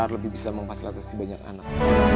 lebih bisa memfasilitasi banyak anak